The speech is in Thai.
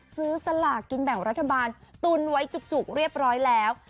ซื้อสละกินแบบรัฐบาลตุ้นไว้จุกเรียบร้อยแล้ว